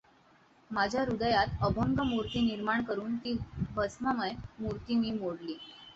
माझ्या हृदयात अभंग मूर्ती निर्माण करून ती भस्ममय मूर्ती मी मोडली.